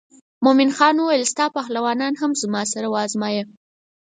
مومن خان وویل ستا پهلوانان هم زما سره وازمایه.